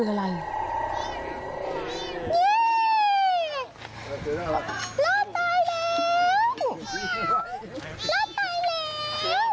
รอดตายแล้ว